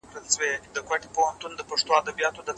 امیر دوست محمد خان په کابل کي تخت ته ناست دی.